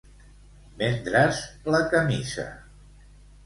Vendre's la camisa.